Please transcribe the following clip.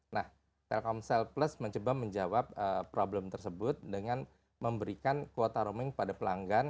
nah telkomsel plus mencoba menjawab problem tersebut dengan memberikan kuota roaming pada pelanggan